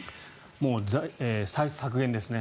歳出削減ですね。